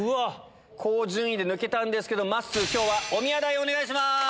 高順位で抜けたんですけどまっすー今日はおみや代お願いします。